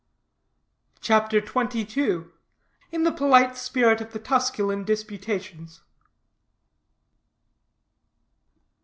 CHAPTER XXII. IN THE POLITE SPIRIT OF THE TUSCULAN DISPUTATIONS.